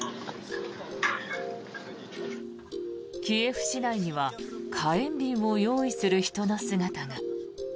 キエフ市内には火炎瓶を用意する人の姿が。